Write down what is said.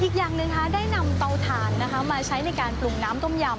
อีกอย่างหนึ่งได้นำเตาถ่านมาใช้ในการปรุงน้ำต้มยำ